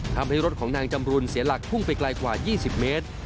ทำให้รถของนางจำรุนเสียหลักพุ่งไปไกลกว่า๒๐เมตร